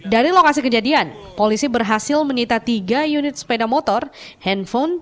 dari lokasi kejadian polisi berhasil menyita tiga unit sepeda motor handphone